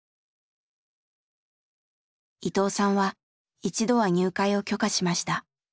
伊藤さんは一度は入会を許可しました。